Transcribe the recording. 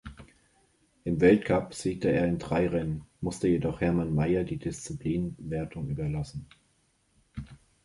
Im Weltcup siegte er in drei Rennen, musste jedoch Hermann Maier die Disziplinenwertung überlassen.